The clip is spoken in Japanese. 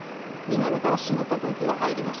南から湿った空気が入ります。